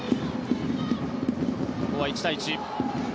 ここは１対１。